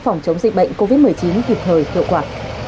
phòng chống dịch bệnh covid một mươi chín kịp thời hiệu quả